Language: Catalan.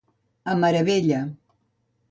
A meravella.